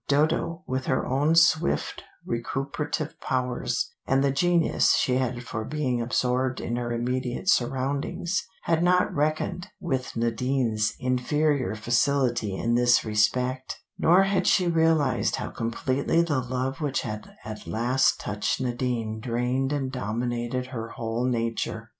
Dodo, with her own swift recuperative powers, and the genius she had for being absorbed in her immediate surroundings, had not reckoned with Nadine's inferior facility in this respect, nor had she realized how completely the love which had at last touched Nadine drained and dominated her whole nature.